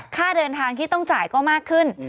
ค่าเดินทางที่ต้องจ่ายก็มากขึ้น